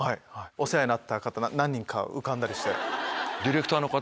お世話になった方何人か浮かんだりして。